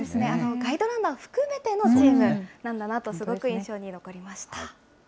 ガイドランナー含めてのチームなんだなと、すごく印象に残りました。